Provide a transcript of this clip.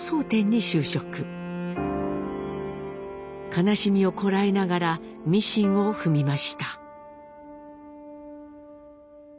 悲しみをこらえながらミシンを踏みました。